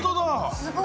すごい。